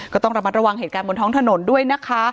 ก็ต้องระมัดระวังเหตุการณ์บนท้องถนนด้วยนะคะ